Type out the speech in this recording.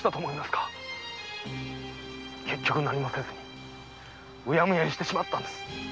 結局何もせずうやむやにしたんです。